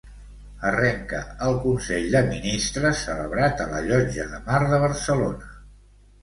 Arrenca el Consell de Ministres celebrat a la Llotja de Mar de Barcelona.